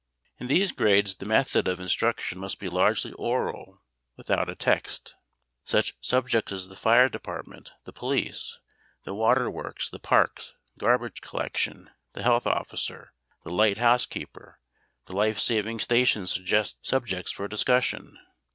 In these grades the method of instruction must be largely oral without a text. Such topics as the fire department, the police, the water works, the parks, garbage collection, the health officer, the light housekeeper, the life saving station suggest subjects for discussion.